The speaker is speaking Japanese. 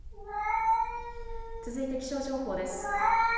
続いて気象情報です。